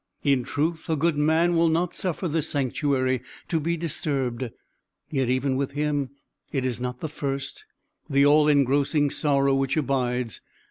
In truth, a good man will not suffer this sanctuary to be disturbed; yet even with him, it is not the first, the all engrossing sorrow which abides.